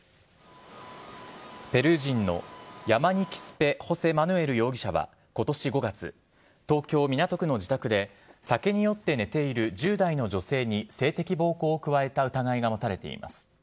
ペルー人のヤマニ・キスぺ・ホセ・マヌエル容疑者は、ことし５月東京・港区の自宅で、酒に酔って寝ている１０代の女性に性的暴行を加えた疑いが持たれています。